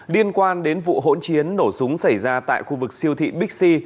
liên quan đến vụ hỗn chiến nổ súng xảy ra tại khu vực siêu thị bixi